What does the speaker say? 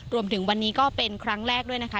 รวมถึงวันนี้ก็เป็นครั้งแรกด้วยนะคะ